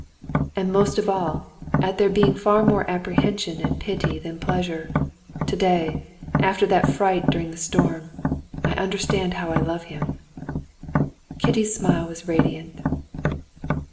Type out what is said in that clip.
"And most of all, at there being far more apprehension and pity than pleasure. Today, after that fright during the storm, I understand how I love him." Kitty's smile was radiant.